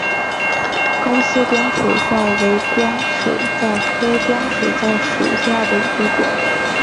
高斯光水蚤为光水蚤科光水蚤属下的一个种。